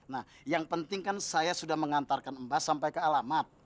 nah yang penting kan saya sudah mengantarkan embas sampai ke alamat